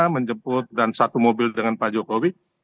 menjemput dan satu mobil dengan pak jokowi